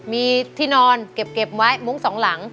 มีที่นอนเก็บไว้มุ้งสองหลัง